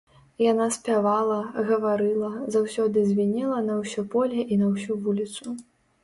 Яна спявала, гаварыла, заўсёды звінела на ўсё поле і на ўсю вуліцу.